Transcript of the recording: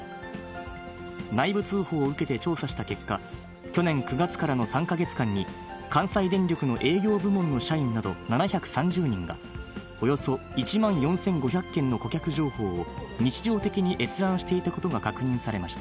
内部通報を受けて調査した結果、去年９月からの３か月間に、関西電力の営業部門の社員など７３０人が、およそ１万４５００件の顧客情報を、日常的に閲覧していたことが確認されました。